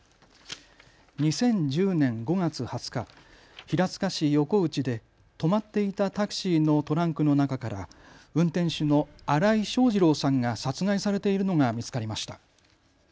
２０１０年５月２０日、平塚市横内で止まっていたタクシーのトランクの中から運転手の荒井庄次郎さんが殺害されているのが見つかりました。